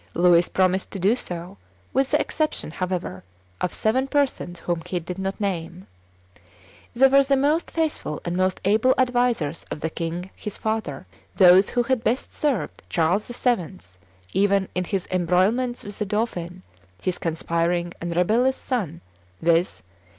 Louis promised to do so, with the exception, however, of seven persons whom he did not name. They were the most faithful and most able advisers of the king his father, those who had best served Charles VII. even in his embroilments with the dauphin, his conspiring and rebellious son, viz.